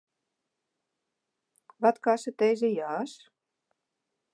Wat kostet dizze jas?